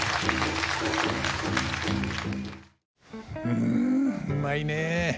うんうまいね。